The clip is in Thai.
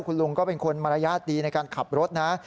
คุณลุงก็เป็นคนมารยาทดีในการขับรถนะ